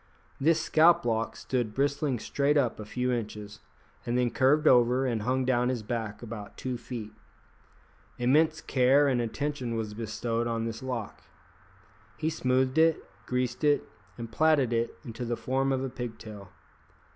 This scalplock stood bristling straight up a few inches, and then curved over and hung down his back about two feet. Immense care and attention was bestowed on this lock. He smoothed it, greased it, and plaited it into the form of a pigtail.